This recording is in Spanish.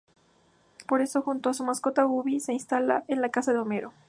Por eso, junto a su mascota Ubi, se instala en la casa de Homero.